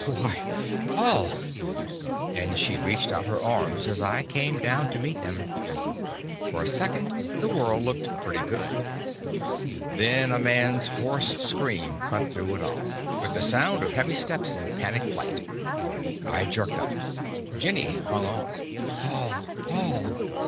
"Why, Paul!" And she reached out her arms as I came down to meet them. For a second, the world looked pretty good. Then a man's hoarse scream cut through it all, with the sound of heavy steps in panic flight. I jerked up. Jenny hung on. "Paul.... Paul...."